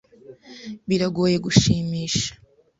Biragoye gushimisha.